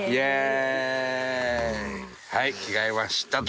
はい着替えましたと。